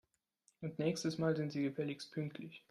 Und nächstes Mal sind Sie gefälligst pünktlich!